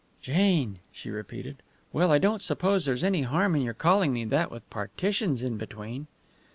"Jane!" she repeated. "Well, I don't suppose there's any harm in your calling me that, with partitions in between."